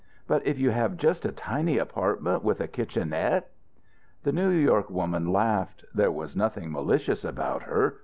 "But if you have just a tiny apartment, with a kitchenette " The New York woman laughed. There was nothing malicious about her.